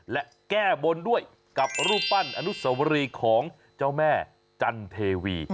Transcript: และแก้บนด้วยกับรูปปั้นอนุสวรีของเจ้าแม่จันเทวี